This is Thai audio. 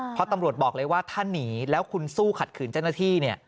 เพราะตำรวจบอกเลยว่าถ้าหนีแล้วคุณสู้ขัดขืนเจ้าหน้าที่เนี่ย